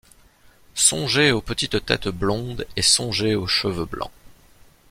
Songez aux petites têtes blondes, et songez aux cheveux blancs.